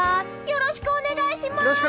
よろしくお願いします！